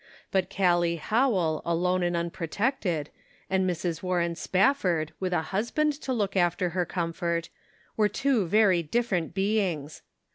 But Gallic Howell alone and unprotected, and Mrs. Warren Spafford with a husband to look after her comfort, were two very different be ings.